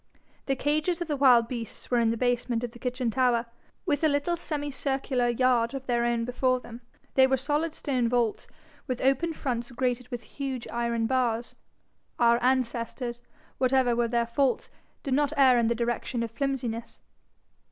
The cages of the wild beasts were in the basement of the kitchen tower, with a little semicircular yard of their own before them. They were solid stone vaults, with open fronts grated with huge iron bars our ancestors, whatever were their faults, did not err in the direction of flimsiness.